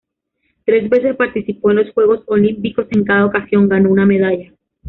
Tres veces participó en los Juegos Olímpicos, en cada ocasión ganó una medalla.